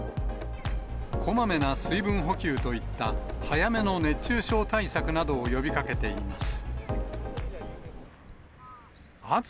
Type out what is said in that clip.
こまめな水分補給といった、早めの熱中症対策などを呼びかけています。